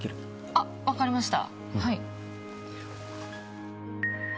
あっ分かりました